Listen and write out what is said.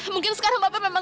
mungkin sekarang bapak memang